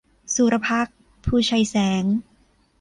สุรภักดิ์ ภูไชยแสง